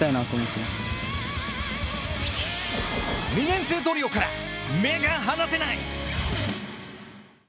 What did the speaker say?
２年生トリオから目が離せない！